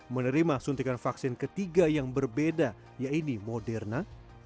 menerima suntikan vaksin ketiga yang berbeda yaitu moderna